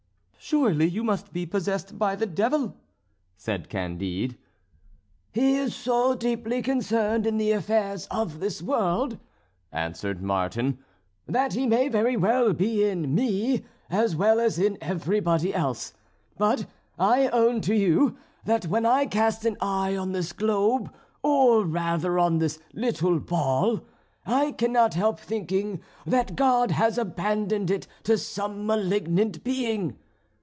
"Surely you must be possessed by the devil," said Candide. "He is so deeply concerned in the affairs of this world," answered Martin, "that he may very well be in me, as well as in everybody else; but I own to you that when I cast an eye on this globe, or rather on this little ball, I cannot help thinking that God has abandoned it to some malignant being.